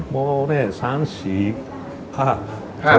โบรกาโน่นี่ตั้งแต่๓๔สาขา